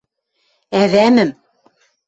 – Ӓвӓмӹм.